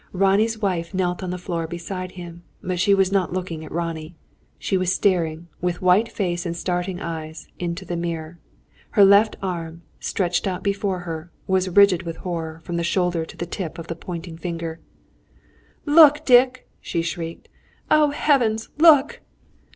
Ronnie's wife knelt on the floor beside him, but she was not looking at Ronnie. She was staring, with white face and starting eyes, into the mirror. Her left arm, stretched out before her, was rigid with horror, from the shoulder to the tip of the pointing finger. "Look, Dick!" she shrieked. "Oh, heavens! Look!"